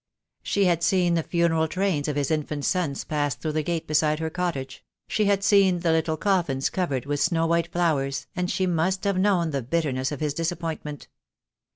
She had seen the funeral trains of his infant sons pass through the gate beside her cottage — she had seen the little coffins covered with snow white flowers, and she must have known the bitterness of his disappoint ment.